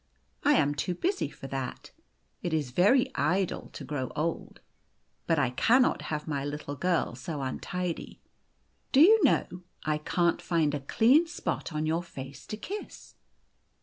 "I am too busy for that. It is very idle to grow old. But I cannot have my little girl so untidy. The Golden Key 183 Do you know I can't find a clean spot on your face to kiss